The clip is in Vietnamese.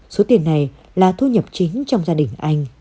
số tiền này là thu nhập chính trong gia đình anh